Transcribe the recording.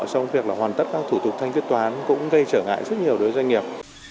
trong việc hoàn tất các thủ tục thanh quyết toán cũng gây trở ngại rất nhiều đối với doanh nghiệp